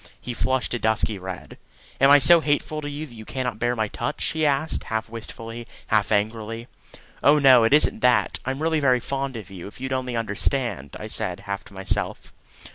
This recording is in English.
He flushed a dusky red. "Am I so hateful to you that you cannot bear my touch?" he asked half wistfully, half angrily. "Oh no; it isn't that. I'm really very fond of you, if you'd only understand," I said half to myself.